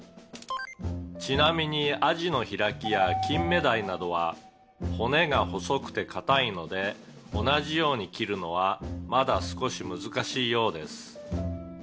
「ちなみにアジの開きや金目鯛などは骨が細くて硬いので同じように切るのはまだ少し難しいようです」